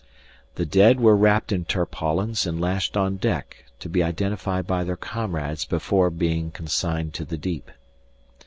The dead were wrapped in tarpaulins and lashed on deck to be identified by their comrades before being consigned to the deep.